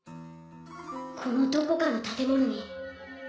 このどこかの建物に。